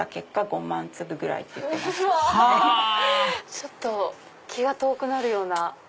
ちょっと気が遠くなるような。